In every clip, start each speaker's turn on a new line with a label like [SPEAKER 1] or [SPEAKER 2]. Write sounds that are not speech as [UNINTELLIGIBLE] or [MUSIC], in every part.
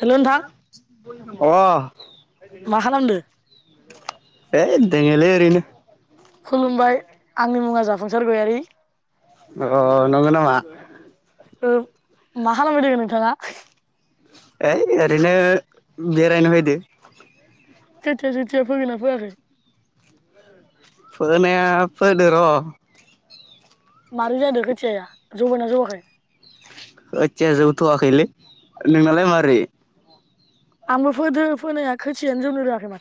[SPEAKER 1] हेल' नोंथां
[SPEAKER 2] अ
[SPEAKER 1] मा खालामदो
[SPEAKER 2] है दोङोलै एरैनो।
[SPEAKER 1] खुलुमबाय आंनि मुंङा जाफुंसार गयारि।
[SPEAKER 2] अ नंगौ नामा?
[SPEAKER 1] ओ मा खालाबाय दं नोंथाङा?
[SPEAKER 2] ओय ओरैनो बेरायनो फैदो।
[SPEAKER 1] खोथिया सोथिया फोगोनना फैयाखै?
[SPEAKER 2] फोनाया फोदो र
[SPEAKER 1] माबोरै जादो खोथिया जौगोना जौयाखै
[SPEAKER 2] खोथिया जौथया खैलै नोंना लाय मारै
[SPEAKER 1] आंबो फोदो फोनाया खोसियानो जौनो रोयाखै माथो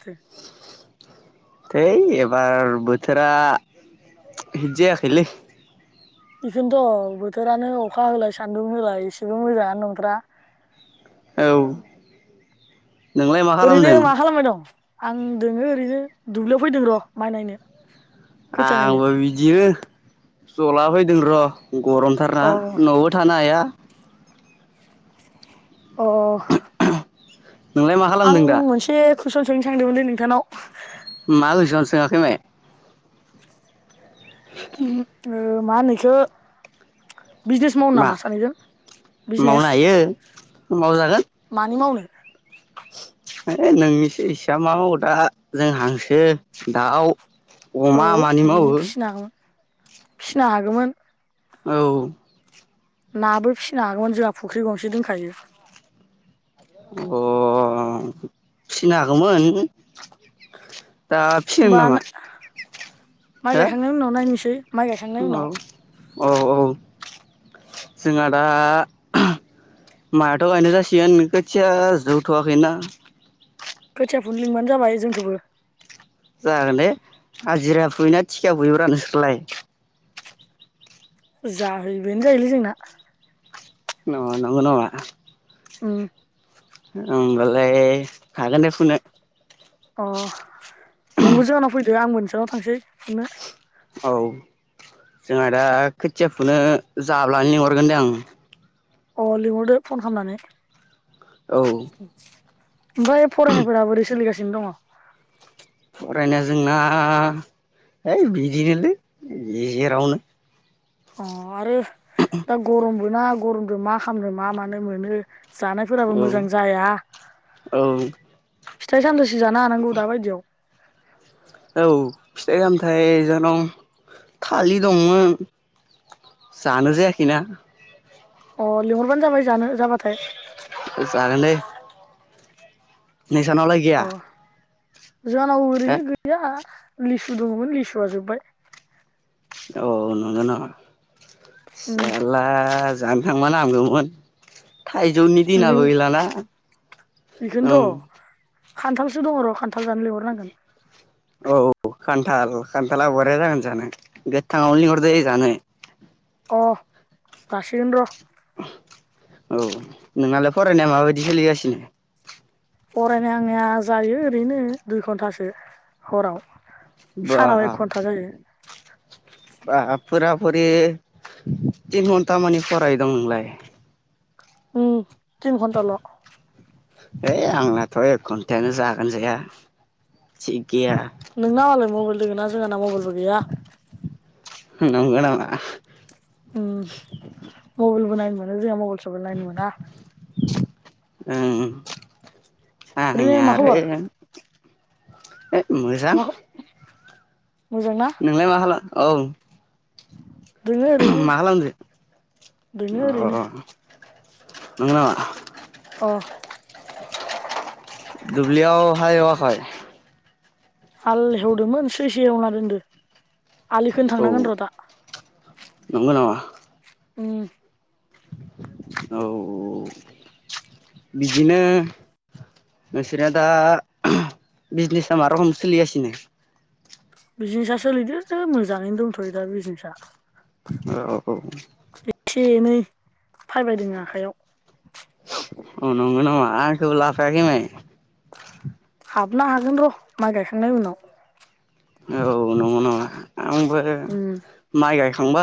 [SPEAKER 2] थोय एब बार बोथोरा हिथ जायाखैलै
[SPEAKER 1] इखौनोथ बोथोरानो अखा होलाय सान्दुं होलाय इसेबो मोजाङानो नंथ्रा
[SPEAKER 2] औ नोंलाय मा
[SPEAKER 1] ओरैनो
[SPEAKER 2] खालामदों?
[SPEAKER 1] मा खालामबाय दं आं दोङो ओरैनो दुब्लियाव फैदों र माइ नायनो खोथिया
[SPEAKER 2] आं
[SPEAKER 1] नायनो
[SPEAKER 2] बो बिदिनो जलाबाय फदों र गरमथारना
[SPEAKER 1] अ
[SPEAKER 2] नयावबो थानो हाया।
[SPEAKER 1] अ
[SPEAKER 2] नोंलाय मा खालामदों दा
[SPEAKER 1] कुयसन सोंनो सानदों मोनलै नोंथांनाव
[SPEAKER 2] मा कुयसन सोङाखै माय
[SPEAKER 1] खिं ओ मा होनो इखो बिजनेस मावनो
[SPEAKER 2] मा
[SPEAKER 1] नामा सानैजों बिजनेस
[SPEAKER 2] मावनो हायो
[SPEAKER 1] मानो मावनो
[SPEAKER 2] ओ नोंनिसो इससा मा मावो दा जों हांसो दाउ
[SPEAKER 1] औ
[SPEAKER 2] अमा मानि
[SPEAKER 1] बिदि
[SPEAKER 2] मावो
[SPEAKER 1] फिसिना हागौमोन फिसिना हागौमोन
[SPEAKER 2] औ
[SPEAKER 1] नाबो फिसिनो हागौमोन जोंहा फुख्रि गंसे दोनखायो
[SPEAKER 2] अ फिसिनो हागौमोन दा फिसिनो
[SPEAKER 1] होमबा
[SPEAKER 2] नामा
[SPEAKER 1] माइ
[SPEAKER 2] हो
[SPEAKER 1] गायखांनायनि उनाव नायनोसै माइ गायखांनाय
[SPEAKER 2] औ
[SPEAKER 1] उनाव
[SPEAKER 2] औ औ जोंहा दा माइआथ गायनो जासिगोन खोथिया जौथवाखै ना
[SPEAKER 1] खोथिया फुनो लिंबानो जाबाय जोंखोबो
[SPEAKER 2] जागोन दे हाजिरा फुयोना थिखा फुयोब्रा नोंसोरलाय
[SPEAKER 1] जाहै होयो बेनो जायोलै जोंना
[SPEAKER 2] न नंगो नामा
[SPEAKER 1] उम
[SPEAKER 2] ओमबालाय
[SPEAKER 1] अ नोंबो जोंनाव फैदो आंबो नोंसानाव नाव थांसै फुनो
[SPEAKER 2] औ जोंहा दा खोथिया फुनो जाब्लानो लिंहरगोन दे आं
[SPEAKER 1] अ लिहरदो फन खामनानै
[SPEAKER 2] औ
[SPEAKER 1] [UNINTELLIGIBLE] ओमफ्राय फरायनायफोरा बोरै सोलिगासिनो दङ'?
[SPEAKER 2] फरायनाय जोंना है बिदिनोलै गेजेरावनो
[SPEAKER 1] अ आरो दा गरम बोना गरमजों मा खामनो मा मानो मोनो जानायफोराबो
[SPEAKER 2] औ
[SPEAKER 1] मोजां जाया
[SPEAKER 2] औ
[SPEAKER 1] फिथाय सामथायसो जानो हानांगो दा बायदियाव
[SPEAKER 2] औ फिथाइ सामथाइ जोंनाव थालि दंमोन जानो जायाखैना
[SPEAKER 1] अ लिंहरबानो जाबाय जानो जाबाथाय
[SPEAKER 2] जागोन दे
[SPEAKER 1] अ जोंनाव ओरैनो
[SPEAKER 2] हो
[SPEAKER 1] गैया । लिसु दङमोन लिसुआ जोब्बाय
[SPEAKER 2] औ नंगो नामा
[SPEAKER 1] उम
[SPEAKER 2] साला जानो थांबानो हामगोमोन। थाइजौनि
[SPEAKER 1] लिं
[SPEAKER 2] दिनाबो गैलाना औ
[SPEAKER 1] बेखौनोथ' खान्थालसो दङ र खान्थाल जानो लिंहरनांगोन
[SPEAKER 2] औ औ खान्थाल खान्थाला बरिया जागोन जानो गोथाङावनो लिंहरदो जानो।
[SPEAKER 1] अ रासिनगोन र'
[SPEAKER 2] औ नोंनालाय फरायनाया माबायदि सोलिगासिनो?
[SPEAKER 1] फरायनाय आंनिया जायो ओरैनो दुइ घन्टासो हराव।
[SPEAKER 2] बा
[SPEAKER 1] सानाव एक घन्टा जायो।
[SPEAKER 2] बा फुरा फुरि तिन घन्टा मानि फरायदों नोंलाय।
[SPEAKER 1] उम तिन घन्टाल
[SPEAKER 2] ए आंनाथ एक खन्थायानो जागोन जाया। [UNINTELLIGIBLE]
[SPEAKER 1] नोंना मालाय मबाइल दोङो ना जोंहाना मबाइलबो गैया
[SPEAKER 2] नंगो नामा।
[SPEAKER 1] उम मबेलबो नायनो मोना जोंहा मबेल नायनो मोना।
[SPEAKER 2] [UNINTELLIGIBLE] ओं
[SPEAKER 1] ओरैनो
[SPEAKER 2] आंनिया
[SPEAKER 1] मा
[SPEAKER 2] आरो
[SPEAKER 1] खबर
[SPEAKER 2] है मोजां
[SPEAKER 1] मा मोजां ना
[SPEAKER 2] नोंलाय माखालाम औ
[SPEAKER 1] दोङो ओरैनो
[SPEAKER 2] मा खालामदो
[SPEAKER 1] दोङो ओरैनो
[SPEAKER 2] नंगो नामा
[SPEAKER 1] अ
[SPEAKER 2] दुब्लियाव हाल एवा खै
[SPEAKER 1] हाल एवदोंमोन सैसे एवना दोनदो आलिखोनो
[SPEAKER 2] औ
[SPEAKER 1] थांनांगोन र दा
[SPEAKER 2] नंगौ नामा
[SPEAKER 1] अम
[SPEAKER 2] औ बिदिनो नोंसोरो दा बिजनेसा मा रखम सोलिगसिनो
[SPEAKER 1] बिजनेसा सोलिदो दा मोजांङैनो दंथयो दा बिजनेसा
[SPEAKER 2] ओ औ
[SPEAKER 1] एसे एनै फायबायदों आखाय आव
[SPEAKER 2] अ नंगौ नामा आंखौबो लाफायाखै मायो।
[SPEAKER 1] हाबनो हागोन र माय गायखांनायनि उनाव
[SPEAKER 2] औ नंगौ नामा आंबो
[SPEAKER 1] उम
[SPEAKER 2] माय गायखां बा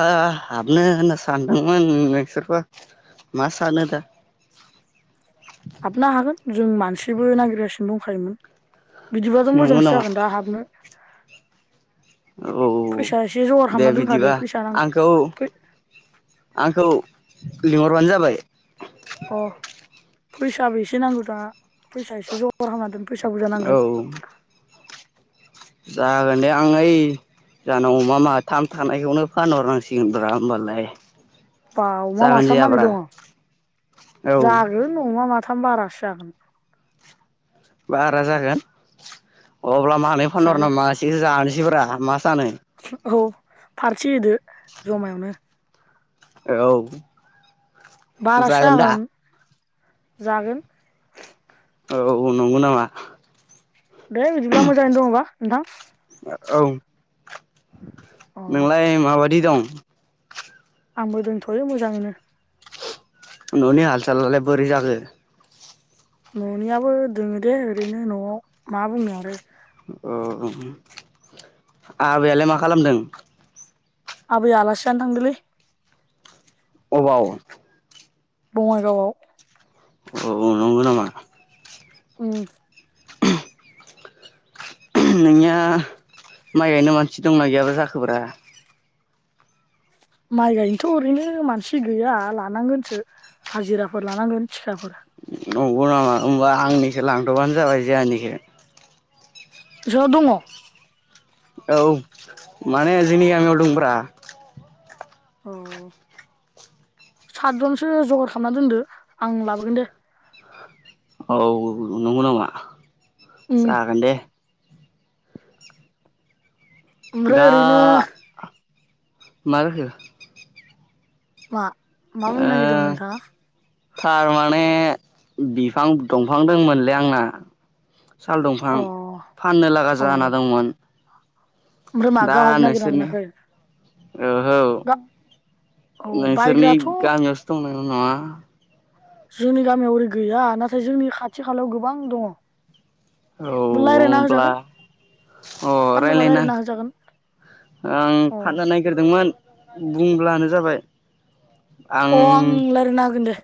[SPEAKER 2] हाबनो होनना सानदोंमोन नोंसोरबो मा सानो दा
[SPEAKER 1] हाबनो हागोन जों मानसिबो नागिरगासिनो दंखायोमोन बिदिबाथ‌
[SPEAKER 2] नंगौ
[SPEAKER 1] मोजांसो
[SPEAKER 2] नामा
[SPEAKER 1] जागोन दा हाबनो।
[SPEAKER 2] औ
[SPEAKER 1] फैसा एसे जगार
[SPEAKER 2] दे
[SPEAKER 1] खालामना दोनखादो
[SPEAKER 2] बिदिबा
[SPEAKER 1] फैसा नां फै
[SPEAKER 2] आंखौ-आंखौ लिंहरबानो जाबाय।
[SPEAKER 1] अ फैसाबो एसे नांगौ दा फैसा एसे जगर खामना दोन। फैसा बुरजा
[SPEAKER 2] औ
[SPEAKER 1] नांगोन
[SPEAKER 2] जागोन दे आं ओइ जानाव अमा माथाम थानायखौनो फानहरनांसिगोनब्रा होमबालाय।
[SPEAKER 1] बा अमा
[SPEAKER 2] जागोन जे
[SPEAKER 1] माथाम मानि
[SPEAKER 2] आब्रा
[SPEAKER 1] दंङ
[SPEAKER 2] औ
[SPEAKER 1] जागोन अमा मा थाम बारासो जागोन।
[SPEAKER 2] बारा जागोन अब्ला मानै फानहरना
[SPEAKER 1] जायो
[SPEAKER 2] मासेखौ जानोसैब्रा आ मास
[SPEAKER 1] औ फारथि होदो जमायावनो।
[SPEAKER 2] औ।
[SPEAKER 1] बारासो जागोन। जागोन।
[SPEAKER 2] औ नंगौ नामा?
[SPEAKER 1] दे बिदिब्ला मोजाङै दंबा। नोंथां।
[SPEAKER 2] औ।
[SPEAKER 1] [INAUDIBLE]
[SPEAKER 2] नोंलाय माबायदि दं? [INAUDIBLE]
[SPEAKER 1] आंबो दंथ'यो मोजाङैनो।
[SPEAKER 2] न'नि हाल सालालाय बोरै जागो?
[SPEAKER 1] न'नियाबो दोङो दे ओरैनो न'आव मा बुंदों आरो।
[SPEAKER 2] औ आबैयालाय मा खालामदों?
[SPEAKER 1] आबैया आलासि जानो थांदोलै।
[SPEAKER 2] अबाव?
[SPEAKER 1] बङाइगावआव
[SPEAKER 2] औ नंगौ नामा?
[SPEAKER 1] उम।
[SPEAKER 2] नोंनिया माइ गायनो मानसि दंना गैयाबा जाखोब्रा?
[SPEAKER 1] माइ गायनोथ' ओरैनो मानसि गैया लानांगोनसो हाजिराफोर लानांगोन थिखाफोर।
[SPEAKER 2] नंगौ नामा होमबा आंनिखौ लांथ'बानो जाबाय जोंहानिखो।
[SPEAKER 1] ज' दङ?
[SPEAKER 2] औ माने जोंनि गामियाव दंब्रा।
[SPEAKER 1] अ सातजनसो जगार खालामनानै दोनदो आं लाबोगोन दे।
[SPEAKER 2] औ नंगौ नामा?
[SPEAKER 1] उम
[SPEAKER 2] जागोन दे।
[SPEAKER 1] ओमफ्राय
[SPEAKER 2] दा
[SPEAKER 1] ओरैनो
[SPEAKER 2] मा जाखो?
[SPEAKER 1] मा? मा
[SPEAKER 2] ओ
[SPEAKER 1] बुंनो नागिरदोंमोन नोंथाङा
[SPEAKER 2] थारमाने बिफां दंफां दंमोनलै आंना। साल दंफां
[SPEAKER 1] अ
[SPEAKER 2] फाननो लागा
[SPEAKER 1] औ
[SPEAKER 2] जाना दंमोन।
[SPEAKER 1] ओमफ्राय मा
[SPEAKER 2] दा
[SPEAKER 1] गाहक नागिरना
[SPEAKER 2] नोंसोरनि
[SPEAKER 1] मोनाखै
[SPEAKER 2] ओ औ
[SPEAKER 1] गा औ
[SPEAKER 2] नोंसोरनि
[SPEAKER 1] बायग्राथ'
[SPEAKER 2] गामियावसो दंमोन [UNINTELLIGIBLE]
[SPEAKER 1] जोंनि गामियाव ओरै गैया नाथाय जोंनि खाथि खालायाव गोबां दङ।
[SPEAKER 2] औ
[SPEAKER 1] रायज्लायना
[SPEAKER 2] होनब्ला
[SPEAKER 1] होजागोन
[SPEAKER 2] अ
[SPEAKER 1] फाननोबा
[SPEAKER 2] रायलायना
[SPEAKER 1] रायज्लायना होजागोन
[SPEAKER 2] आं
[SPEAKER 1] अ
[SPEAKER 2] फाननो नागिरदोंमोन। बुंब्लानो जाबाय।
[SPEAKER 1] अ आं लायरायना होगोन दे।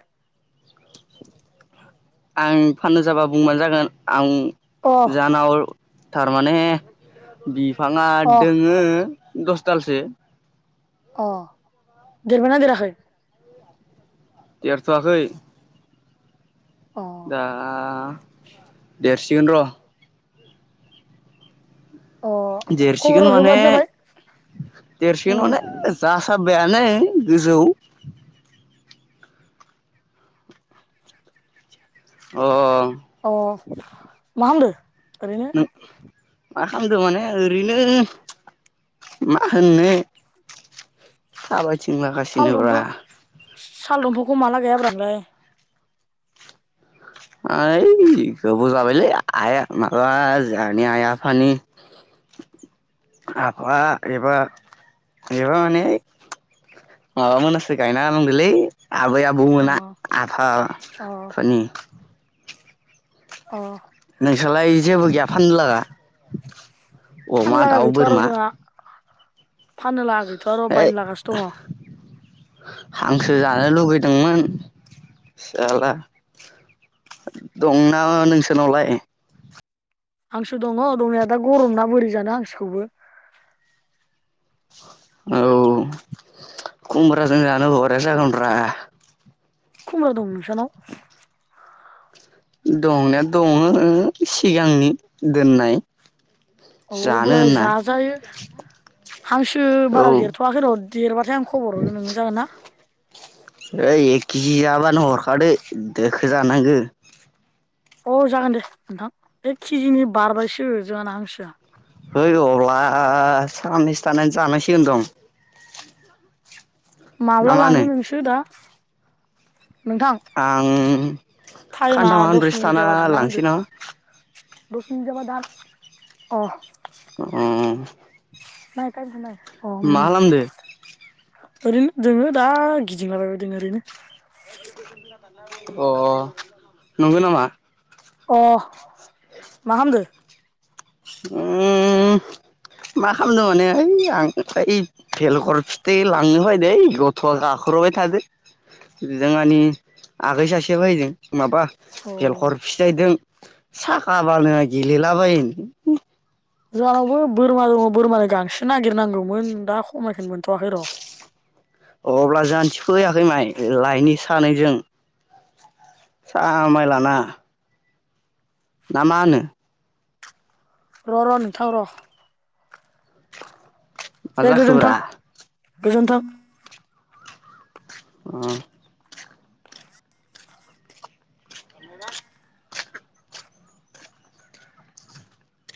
[SPEAKER 2] आं फाननो जाबा बुंबानो जागोन आं
[SPEAKER 1] अ
[SPEAKER 2] जाना अ थारमाने बिफाङा
[SPEAKER 1] अ
[SPEAKER 2] दोङो दस दालसो
[SPEAKER 1] अ देरबायना देराखै?
[SPEAKER 2] देरथ'वाखै।
[SPEAKER 1] अ
[SPEAKER 2] दा देरसि गोन र'
[SPEAKER 1] अ खबर
[SPEAKER 2] देरसिगोन माने
[SPEAKER 1] होबानो जाबाय
[SPEAKER 2] देरसिगोन
[SPEAKER 1] उम
[SPEAKER 2] माने जासा बायानो गोजौ अ
[SPEAKER 1] अ मा खामदो?
[SPEAKER 2] नों मा खालामदों माने ओरैनो मा होननो थाबाय थिंला
[SPEAKER 1] साल
[SPEAKER 2] गासिनो रा।
[SPEAKER 1] दंफां साल दंफांखौ माला गायाब्रा नोंलाय?
[SPEAKER 2] [UNINTELLIGIBLE] ओय गोबाव जाबायलै आइ माबा जानि आइ आफानि आफा एबा एबा माने माबामोनासो गायना होलांदोलै। आबै आबौ
[SPEAKER 1] अ
[SPEAKER 2] मोना
[SPEAKER 1] अ
[SPEAKER 2] आफाफोरनि
[SPEAKER 1] अ
[SPEAKER 2] नोंसालाय जेबो गैया फाननो लागा?
[SPEAKER 1] फाननो
[SPEAKER 2] अमा, दाउ, बोरमा?
[SPEAKER 1] फाननोला गैथ'आ र'
[SPEAKER 2] ओइ
[SPEAKER 1] बायनो लागासो दङ।
[SPEAKER 2] हांसो जानो लुबैदोंमोन साला दंना नोंसोरनावलाय?
[SPEAKER 1] हांसो दङ दंनाया दा गरमना बोरै जानो हांसोखौबो।
[SPEAKER 2] औ खुमब्रा जानो बरिया जागोन मोनब्रा
[SPEAKER 1] खुमब्रा दं नोंसानाव?
[SPEAKER 2] दंनाया दंओ सिगांनि दोननाय।
[SPEAKER 1] औ
[SPEAKER 2] जानो
[SPEAKER 1] अब्लाय
[SPEAKER 2] होनना
[SPEAKER 1] जाजायो हांसो बारा
[SPEAKER 2] औ
[SPEAKER 1] देरथ'वाखै र' देरबाथाय आं खबर हरगोन नोंनो। जागोन ना?
[SPEAKER 2] ओइ एक के जि जाबानो हरखा दै दोखो जानांगो।
[SPEAKER 1] अ जागोन दे नोंथां एक के जि नि बारबायसो जोहाना हांसोआ
[SPEAKER 2] हैै अब्ला सानैसो थानानै जानांसिगोन दं ना
[SPEAKER 1] माब्ला
[SPEAKER 2] मा होनो
[SPEAKER 1] लाङो नोंसो दा? नोंथां
[SPEAKER 2] आं
[SPEAKER 1] टाइमा
[SPEAKER 2] खान्थाम
[SPEAKER 1] दस
[SPEAKER 2] खानब्रैसो
[SPEAKER 1] मिनिट
[SPEAKER 2] थाना
[SPEAKER 1] जाबा दानना होदो
[SPEAKER 2] लांसै नामा?
[SPEAKER 1] दस मिनिट जाबा दान। अ।
[SPEAKER 2] अ
[SPEAKER 1] मा गारबोनाय। अ उम।
[SPEAKER 2] मा खालामदो
[SPEAKER 1] ओरैनो दोङो दा गिदिंलाबायबाय दोङो ओरैनो। खोनादोंना ओं
[SPEAKER 2] अ
[SPEAKER 1] जागौमोन आरो ना
[SPEAKER 2] नंगौ नामा
[SPEAKER 1] [UNINTELLIGIBLE] अ मा खामदो?
[SPEAKER 2] उम। मा खालामदों माने ओइ आं इ बेेलगर फिथाइ लांनो फैदो ओइ गथ'आ गाख्रबबाय थादो जोंहानि आगै सासेया फैदों माबा
[SPEAKER 1] अ
[SPEAKER 2] जेलखर फिथाइ दों। साखाबानो गेलेलाबायो।
[SPEAKER 1] जोंहाबो बोरमा दङ बोरमानो गांसो नागिरनांगौमोन दा खमायखोनो मोनथ'वाखै र।
[SPEAKER 2] अब्ला जानथिफैयाखै माइ लइनि सानैजों। सा माइ लाना। ना मा होनो?
[SPEAKER 1] र र नोंथां र।
[SPEAKER 2] मा
[SPEAKER 1] दे गोजोन्थों
[SPEAKER 2] जाखोब्रा?
[SPEAKER 1] गोजोन्थों।
[SPEAKER 2] ओ।